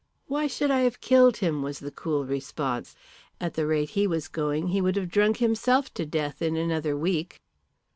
"Why should I have killed him?" was the cool response. "At the rate he was going he would have drunk himself to death in another week."